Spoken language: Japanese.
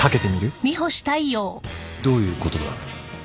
どういうことだ？